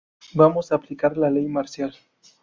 Vamos a aplicar la ley marcial".